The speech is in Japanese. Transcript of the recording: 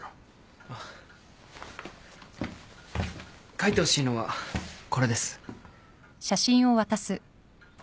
描いてほしいのはこれです。